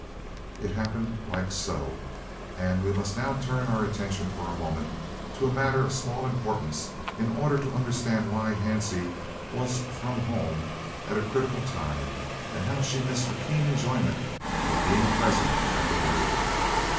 It happened "like so," and we must now turn our attention for a moment to a matter of small importance in order to understand why Hansie was from home at a critical time, and how she missed the keen enjoyment of being present at the "raid."